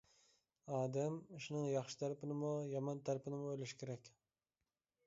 ئادەم ئىشنىڭ ياخشى تەرىپىنىمۇ يامان تەرىپىنىمۇ ئويلىشى كېرەك.